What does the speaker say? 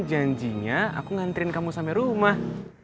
janjinya aku ngantrin kamu sampai rumah